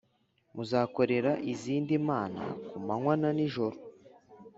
muzakorera izindi mana ku manywa na nijoro